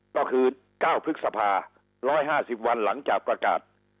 ก็คือ๙พฤษภา๑๕๐วันหลังจากประกาศ